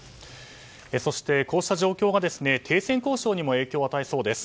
そして、こうした状況が停戦交渉にも影響を与えそうです。